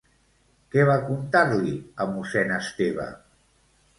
Què va contar-li a mossèn Esteve?